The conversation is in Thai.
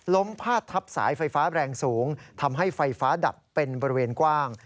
พาดทับสายไฟฟ้าแรงสูงทำให้ไฟฟ้าดับเป็นบริเวณกว้าง